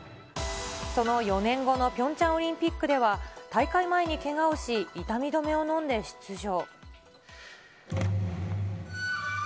その４年後のピョンチャンオリンピックでは、大会前にけがをし、痛み止めを飲んで出場。